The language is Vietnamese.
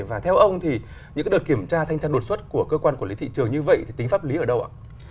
và theo ông thì những đợt kiểm tra thanh tra đột xuất của cơ quan quản lý thị trường như vậy thì tính pháp lý ở đâu ạ